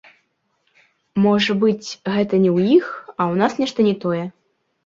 Можа быць, гэта не ў іх, а ў нас нешта не тое?